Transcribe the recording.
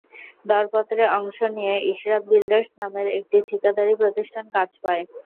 দরপত্রে অংশ নিয়ে ইশরাত বিল্ডার্স নামের একটি ঠিকাদারি প্রতিষ্ঠান কাজ পায়।